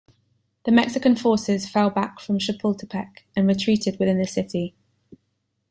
The Mexican forces fell back from Chapultepec and retreated within the city.